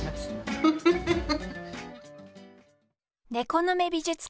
フフフフフ！